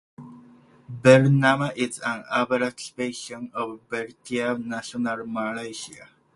Bernama is an abbreviation of Berita Nasional Malaysia.